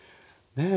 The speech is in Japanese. ねえ。